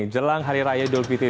jelang hari raya idul fitri